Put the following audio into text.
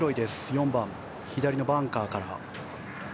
４番、左のバンカーから。